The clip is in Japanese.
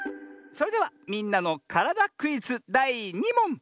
それでは「みんなのからだクイズ」だい２もん！